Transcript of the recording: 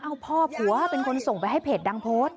พ่อผัวเป็นคนส่งไปให้เพจดังโพสต์